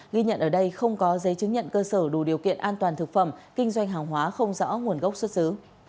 ghi nhận ở đây không có giấy chứng nhận cơ sở đủ điều kiện an toàn thực phẩm kinh doanh hàng hóa không rõ nguồn gốc xuất xứ